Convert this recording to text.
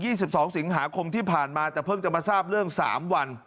สิบสองสิงหาคมที่ผ่านมาแต่เพิ่งจะมาทราบเรื่องสามวัน